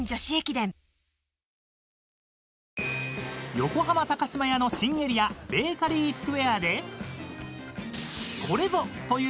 ［横浜島屋の新エリアベーカリースクエアで「これぞ」という］